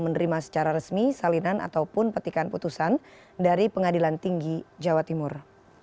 menerima secara resmi salinan ataupun petikan putusan dari pengadilan tinggi jawa timur